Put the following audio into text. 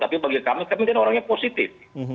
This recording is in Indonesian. tapi bagi kami kami orang yang positif